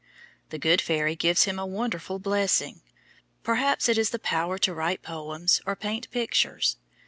The good fairy gives him a wonderful blessing, perhaps it is the power to write poems or paint pictures.